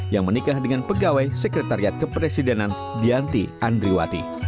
yang menikah dengan pegawai sekretariat kepresidenan dianti andriwati